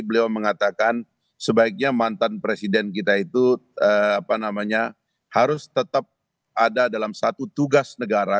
beliau mengatakan sebaiknya mantan presiden kita itu harus tetap ada dalam satu tugas negara